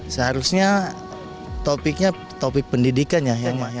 seharusnya topiknya topik pendidikan ya